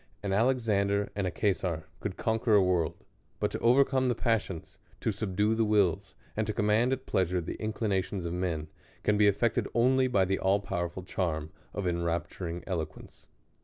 An Alexander and a Cesar could conquer a world ; but to overcome the passions, to subdue the wills, and to command at pleasure the inclinations of men, can be effected only by the all powerful charm of enrapturing eloquence.